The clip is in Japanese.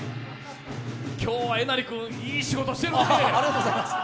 今日はえなり君、いろいろ仕事してるね。